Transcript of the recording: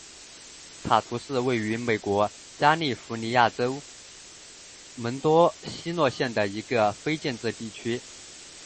塔图是位于美国加利福尼亚州门多西诺县的一个非建制地区。